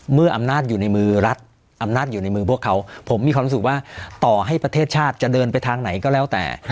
เมื่ออำนาจอยู่ในมือรัฐอำนาจอยู่ในมือพวกเขาผมมีความรู้สึกว่าต่อให้ประเทศชาติจะเดินไปทางไหนก็แล้วแต่